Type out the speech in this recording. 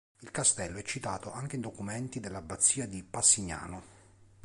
Il castello è citato anche in documenti dell'Abbazia di Passignano.